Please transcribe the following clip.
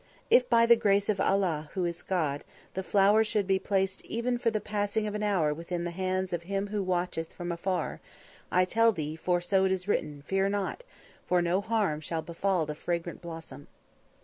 If by the grace of Allah, who is God, the flower should be placed even for the passing of an hour within the hands of him who watcheth from afar, I tell thee, for so it is written, fear not, for no harm shall befall the fragrant blossom."